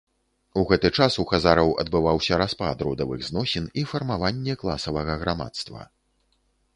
У гэты час у хазараў адбываўся распад родавых зносін і фармаванне класавага грамадства.